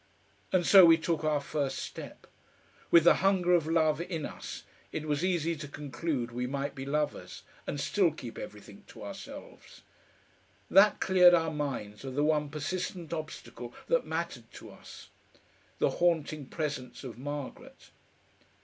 And so we took our first step. With the hunger of love in us, it was easy to conclude we might be lovers, and still keep everything to ourselves. That cleared our minds of the one persistent obstacle that mattered to us the haunting presence of Margaret.